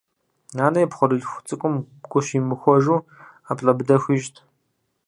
Нанэ и пхъурылъху цӏыкӏум гу щимыхуэжу ӏэплӏэ быдэ хуищӏт.